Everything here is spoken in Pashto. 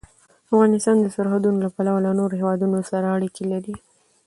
افغانستان د سرحدونه له پلوه له نورو هېوادونو سره اړیکې لري.